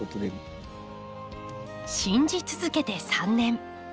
信じ続けて３年。